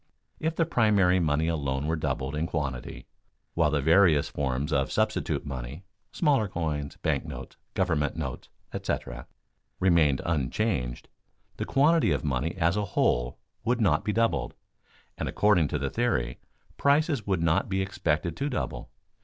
If the primary money alone were doubled in quantity, while the various forms of substitute money (smaller coins, bank notes, government notes, etc.) remained unchanged, the quantity of money as a whole would not be doubled, and according to the theory, prices would not be expected to double.